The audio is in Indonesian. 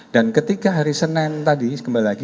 dan ketika hari senin tadi kembali lagi